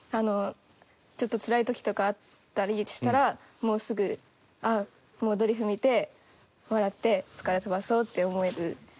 ちょっとつらい時とかあったりしたらもうすぐドリフ見て笑って疲れ飛ばそうって思える。